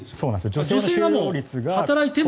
女性が働いても？